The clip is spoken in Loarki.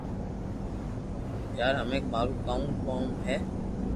يار ھمي مارو ڪاو ڪوم ھي